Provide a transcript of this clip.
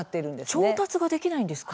調達ができないんですか？